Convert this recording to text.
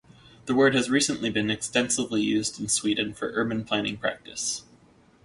The word has recently been extensively used in Sweden for urban planning practise.